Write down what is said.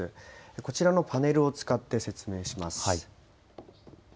こちらのパネルを使って説明します。